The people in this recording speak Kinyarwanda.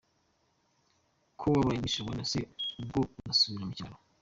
Ko wabaye Miss Rwanda se ubwo uzasubira mu cyaro?.